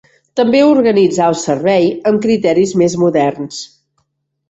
També organitzà el servei amb criteris més moderns.